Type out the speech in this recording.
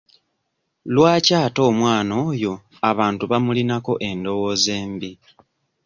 Lwaki ate omwana oyo abantu bamulinako endowooza embi?